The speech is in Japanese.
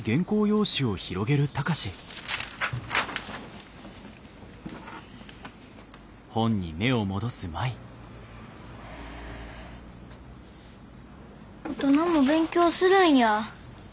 大人も勉強するんやぁ。